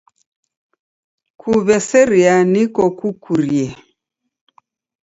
Kuweseria niko kukurie.